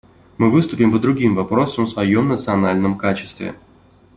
Мы выступим по другим вопросам в своем национальном качестве.